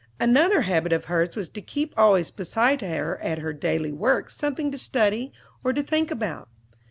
Another habit of hers was to keep always beside her at her daily work something to study or to think about.